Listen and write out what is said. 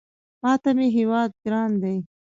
ماته مې هېواد ګران دی